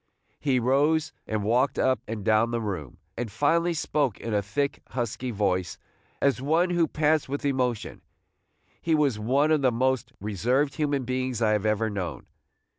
He rose and walked up and down the room, and finally spoke in a thick, husky voice, as one who pants with emotion. He was one of the most reserved human beings I have ever known.